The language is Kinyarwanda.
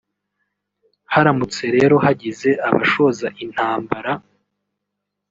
Haramutse rero hagize abashoza intambara